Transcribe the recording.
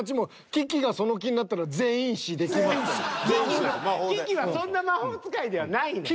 キキはキキはそんな魔法使いではないねん。